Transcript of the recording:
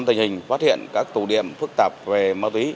tình hình phát hiện các tù điểm phức tạp về ma túy